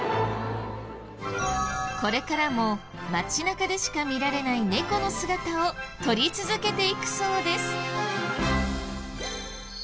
これからも街中でしか見られない猫の姿を撮り続けていくそうです。